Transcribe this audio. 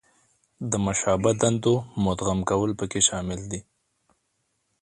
د مشابه دندو مدغم کول پکې شامل دي.